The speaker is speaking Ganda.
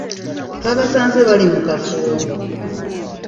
Twabasanze bali mu kafubo.